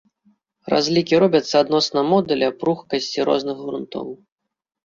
Разлікі робяцца адносна модуля пругкасці розных грунтоў.